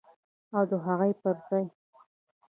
او د هغوی پر ځای